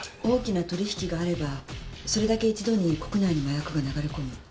大きな取引があればそれだけ一度に国内に麻薬が流れ込む。